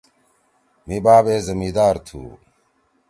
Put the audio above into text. مھی باپ اے زمیِدار تُھو۔